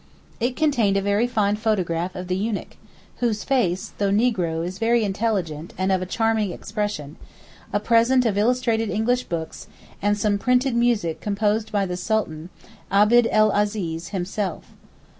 It contained a very fine photograph of the eunuch—whose face, though negro, is very intelligent and of charming expression—a present of illustrated English books, and some printed music composed by the Sultan, Abd el Aziz, himself.